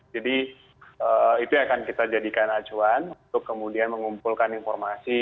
jadi itu akan kita jadikan acuan untuk kemudian mengumpulkan informasi